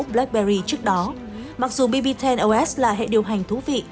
blackberry trước đó mặc dù bb một mươi os là hệ điều hành thú vị